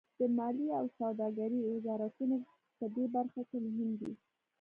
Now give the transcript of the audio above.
د مالیې او سوداګرۍ وزارتونه پدې برخه کې مهم دي